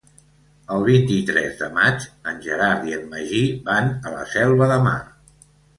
El vint-i-tres de maig en Gerard i en Magí van a la Selva de Mar.